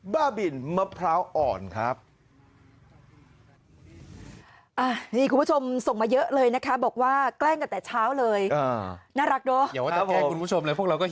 บ้าบินมะพร้าวอ่อนครับ